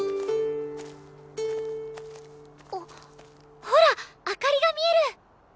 あっほら明かりが見える！